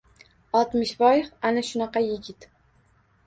Oltmishvoy ana shunaqa yigit!